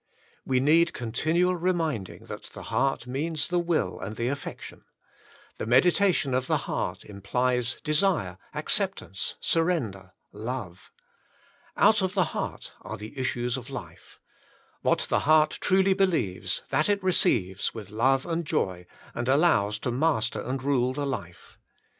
We need continual reminding that the heart means the will and the affection. The meditation of the heart implies desire, acceptance, surrender, love. Out of the heart are the issues of life ; what the heart truly believes, that it receives with love and joy, and allows to master and rule the life.